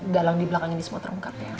dalang di belakang ini semua termkap ya